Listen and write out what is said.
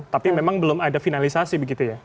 tapi memang belum ada finalisasi begitu ya